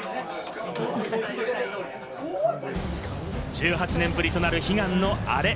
１８年ぶりとなる悲願のアレ。